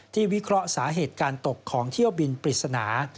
วิเคราะห์สาเหตุการตกของเที่ยวบินปริศนา